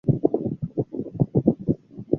后因兴建屯门公路分为南北两部份。